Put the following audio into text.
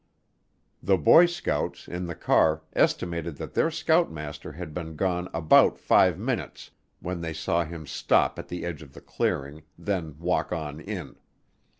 The boy scouts, in the car, estimated that their scoutmaster had been gone about five minutes when they saw him stop at the edge of the clearing, then walk on in.